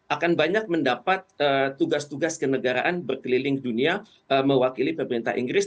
akan banyak mendapat tugas tugas kenegaraan berkeliling dunia mewakili pemerintah inggris